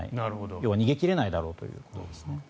要は逃げ切れないだろうということですね。